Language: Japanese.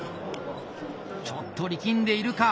ちょっと力んでいるか。